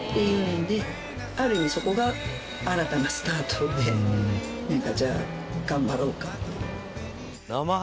ある意味そこが新たなスタートでなんかじゃあ頑張ろうかって。